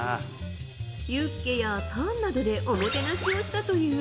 ユッケやタンなどでおもてなしをしたという。